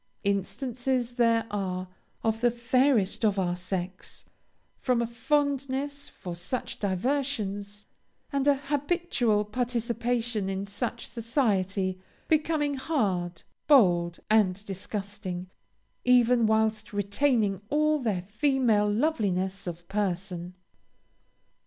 Instances there are, of the fairest of our sex, from a fondness for such diversions, and a habitual participation in such society, becoming hard, bold, and disgusting, even whilst retaining all their female loveliness of person.